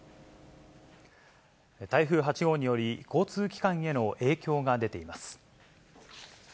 台風８号により、交通機関への影響が出ています。